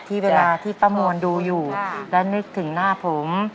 ที่เวลาที่ป้ามวลดูอยู่และนึกถึงหน้าผม